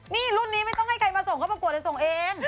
นี่รุ่นนี้ไม่ต้องให้ใครมาส่งเขาประกวดเลยส่งเอง